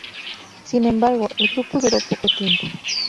Sin embargo el grupo duró poco tiempo.